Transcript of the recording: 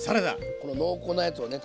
この濃厚なやつをね